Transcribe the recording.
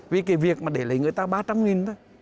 vì cái việc mà để lấy người ta ba trăm linh nghìn đó